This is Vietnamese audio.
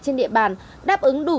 trên địa bàn đáp ứng đủ